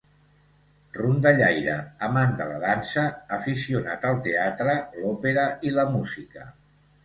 Rondallaire, amant de la dansa, aficionat al teatre, l'òpera i la música.